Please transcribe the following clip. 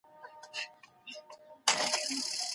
باید د شرقي او غربي ټولنو ترمنځ توپیرونه وڅېړل سي.